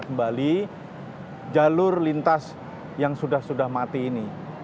jadi kalau kita ingin mengangkat kembali jalur lintas yang sudah sudah mati ini